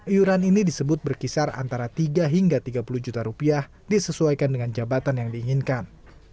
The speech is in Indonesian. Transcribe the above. iuran ini disebut berkisar antara tiga hingga tiga puluh juta rupiah disesuaikan dengan jabatan yang diinginkan